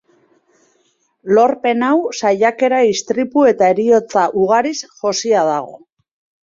Lorpen hau saiakera, istripu eta heriotza ugariz josia dago.